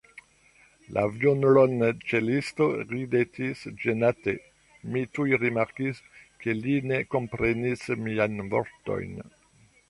La violonĉelisto ridetis ĝenate; mi tuj rimarkis, ke li ne komprenis miajn vortojn.